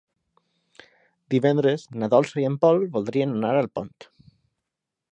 Divendres na Dolça i en Pol voldrien anar a Alpont.